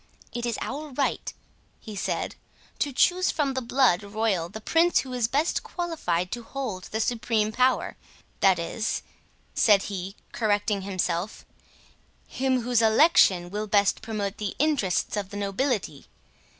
It is our right," he said, "to choose from the blood royal the prince who is best qualified to hold the supreme power—that is," said he, correcting himself, "him whose election will best promote the interests of the nobility.